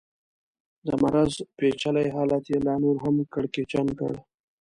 د مرض پېچلی حالت یې لا نور هم کړکېچن کړ.